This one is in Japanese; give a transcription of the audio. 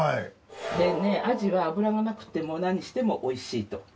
アジは脂がなくても何してもおいしいと。